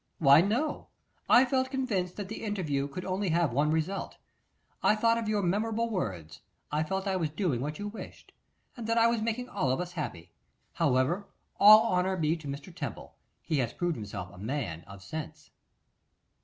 'Why, no; I felt convinced that the interview could have only one result. I thought of your memorable words; I felt I was doing what you wished, and that I was making all of us happy. However, all honour be to Mr. Temple! He has proved himself a man of sense.